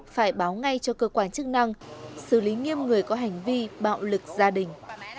phải báo ngay cho cơ quan chức năng xử lý nghiêm người có hành vi bạo lực gia đình